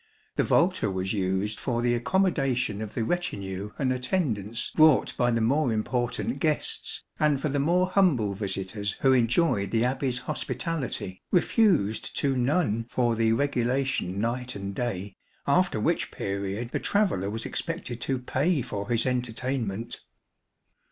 The volta was used for the accommodation of the retinue and attendants brought by the more important guests, and for the more humble visitors who enjoyed the Abbey's hospitality, refused to none for the regulation night and day, after which period the traveller was expected to pay for his entertainment.